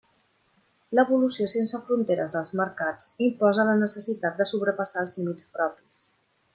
L'evolució sense fronteres dels mercats imposa la necessitat de sobrepassar els límits propis.